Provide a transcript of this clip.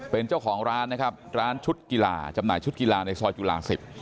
เป็นเจ้าของร้านนะครับร้านชุดกีฬาจำหน่ายชุดกีฬาในซอยจุฬา๑๐